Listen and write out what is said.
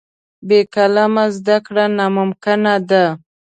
بې قلمه زده کړه ناممکنه ده.